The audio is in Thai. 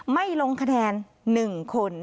ไม่ลงคะแนน๑คน